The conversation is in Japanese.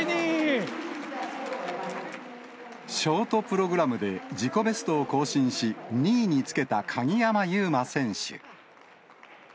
ショートプログラムで、自己ベストを更新し、２位につけた鍵山優真選手。